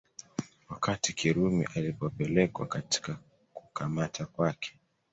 Wakati Kirumi alipopelekwa katika kukamata kwake